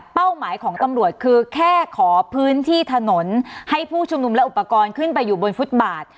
หมายของตำรวจคือแค่ขอพื้นที่ถนนให้ผู้ชุมนุมและอุปกรณ์ขึ้นไปอยู่บนฟุตบาท